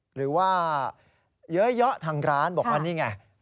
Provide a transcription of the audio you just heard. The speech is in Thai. หรือว่าเยอะทางร้านบอกว่านี่ไง